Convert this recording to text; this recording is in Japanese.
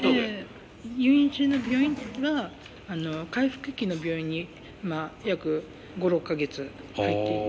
入院中の病院が回復期の病院に約５６か月入っていて。